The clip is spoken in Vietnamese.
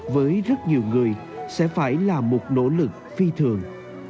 với rất nhiều người sẽ phải là một nỗ lực phi thường